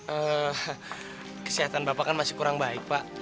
eh kesehatan bapak kan masih kurang baik pak